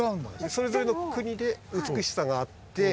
それぞれの国で美しさがあって。